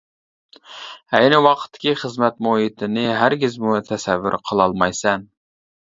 ئەينى ۋاقىتتىكى خىزمەت مۇھىتىنى ھەرگىزمۇ تەسەۋۋۇر قىلالمايسەن.